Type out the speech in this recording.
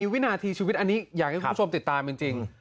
วินาทีชีวิตอันนี้อยากให้คุณผู้ชมติดตามจริง